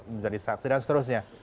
menjadi saksi dan seterusnya